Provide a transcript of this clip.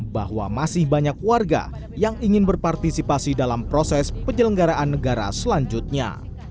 bahwa masih banyak warga yang ingin berpartisipasi dalam proses penyelenggaraan negara selanjutnya